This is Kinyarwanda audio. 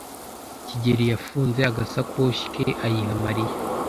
kigeli yafunze agasakoshi ke ayiha Mariya.